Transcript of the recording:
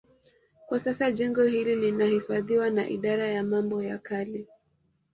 Kwa sasa jengo hili linahifadhiwa na Idara ya Mambo ya Kale